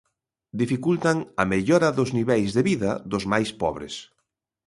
Dificultan a mellora dos niveis de vida dos máis pobres.